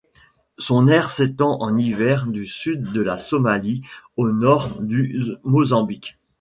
Son aire s'étend en hiver du sud de la Somalie au nord du Mozambique.